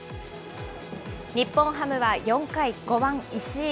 日本ハムは４回、５番石井。